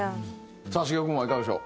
さあ茂雄君はいかがでしょう？